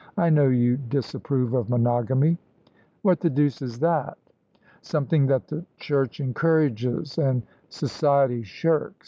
I know you disapprove of monogamy." "What the deuce is that?" "Something that the Church encourages and society shirks.